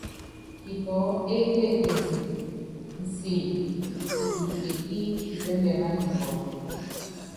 Kipɔɔ́ ékekenyi nsíli kisikili ekí kisɛ́ndɛ́ mányikuá.